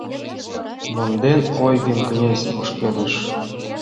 Монден ойгым, князь ошкедыш